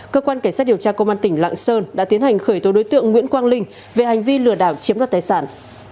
cơ quan cảnh sát điều tra công an tỉnh lạng sơn đã tiến hành khởi tố đối tượng nguyễn quang linh về hành vi lừa đảo chiếm đoạt tài sản